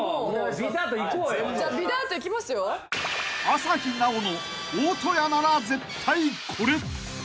［朝日奈央の大戸屋なら絶対これ］